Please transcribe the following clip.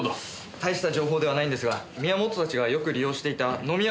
大した情報ではないんですが宮本たちがよく利用していた飲み屋がわかりました。